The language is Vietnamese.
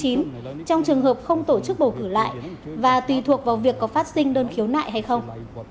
trong trường hợp không tổ chức bầu cử lại và tùy thuộc vào việc có phát sinh đơn khiếu nại hay không